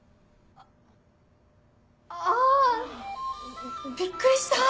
あびっくりした。